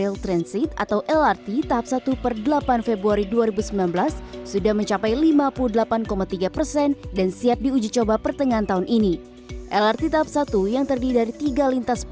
lrt tahap satu